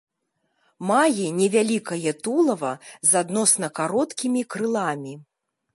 Мае невялікае тулава з адносна кароткімі крыламі.